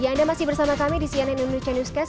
ya anda masih bersama kami di cnn indonesia newscast